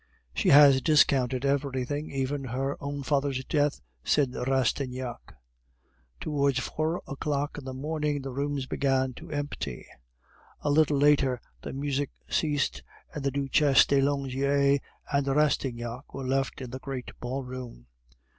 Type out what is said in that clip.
"She has discounted everything, even her own father's death," said Rastignac. Towards four o'clock in the morning the rooms began to empty. A little later the music ceased, and the Duchesse de Langeais and Rastignac were left in the great ballroom.